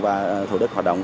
và thủ đức hoạt động